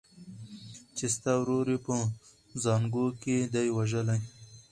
چي ستا ورور یې په زانګو کي دی وژلی